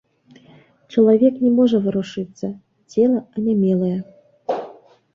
Чалавек не можа варушыцца, цела анямелае.